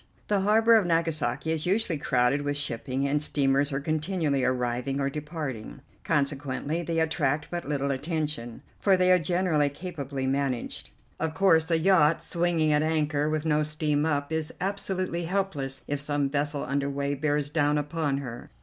The harbor of Nagasaki is usually crowded with shipping, and steamers are continually arriving or departing, consequently they attract but little attention, for they are generally capably managed. Of course a yacht swinging at anchor with no steam up is absolutely helpless if some vessel under way bears down upon her.